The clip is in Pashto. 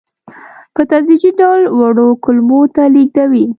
په تدریجي ډول وړو کولمو ته لېږدوي.